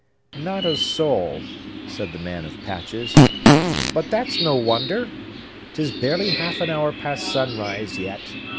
"Not a soul," said the man of patches. "But that's no wonder. 'Tis barely half an hour past sunrise, yet.